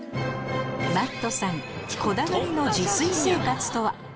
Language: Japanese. Ｍａｔｔさんこだわりの自炊生活とは？